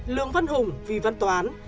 lương văn hùng vì văn toán